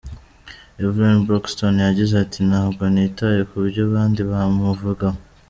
Evelyn Braxton yagize ati “Ntabwo nitaye ku byo abandi bamuvugaho.